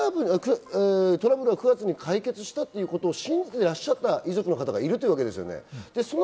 トラブルは９月に解決したということを信じていらっしゃった遺族の方がいらっしゃったんですよね。